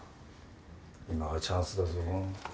今がチャンスだぞ。